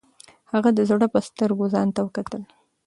هغه د زړه په سترګو ځان ته وکتل.